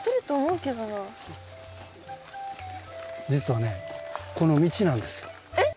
実はねこの道なんですよ。えっ？